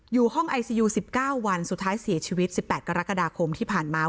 อยู่ห้องไอซียู๑๙วันสุดท้ายเสียชีวิต๑๘กรกฎาคมที่ผ่านมา